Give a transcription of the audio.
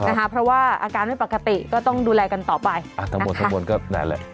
นะคะเพราะว่าอาการไม่ปกติก็ต้องดูแลกันต่อไปอ่าทั้งหมดทั้งหมดก็นั่นแหละ